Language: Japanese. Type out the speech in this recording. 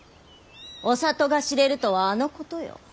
お里が知れるとはあのことよ！